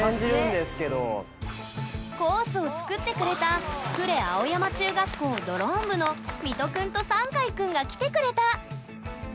コースを作ってくれた呉青山中学校ドローン部のみとくんとさんかいくんが来てくれた！